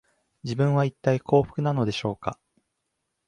自分は、いったい幸福なのでしょうか